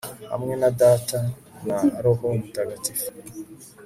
hamwe na data na roho mutagatifu